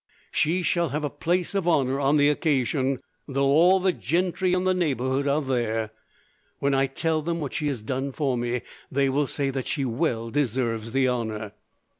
She shall have the place of honour on the occasion, though all the gentry in the neighbourhood are there. When I tell them what she has done for me, they will say that she well deserves the honour!"